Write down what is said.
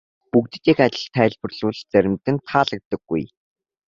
Бүгдэд нь яг адил тайлбарлавал заримд нь таалагдахгүй.